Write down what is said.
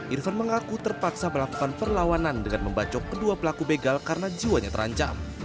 irfan mengaku terpaksa melakukan perlawanan dengan membacok kedua pelaku begal karena jiwanya terancam